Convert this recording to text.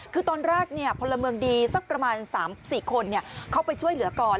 คือตอนแรกพลเมืองดีสักประมาณ๓๔คนเข้าไปช่วยเหลือก่อน